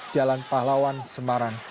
jalan pahlawan semarang